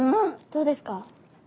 どうですか？